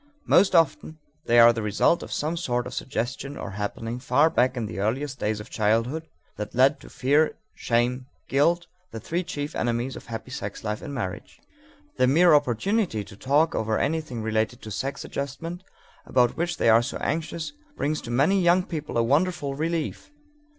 Most often they are the result of some sort of suggestion or happening far back in the earliest days of childhood that led to fear, shame, or guilt, the three chief enemies of happy sex life in marriage. The mere opportunity to talk over anything related to sex adjustment about which they are anxious brings to many young people a wonderful relief.